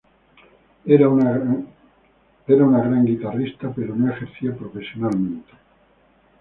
Era un gran guitarrista, pero no ejercía profesionalmente.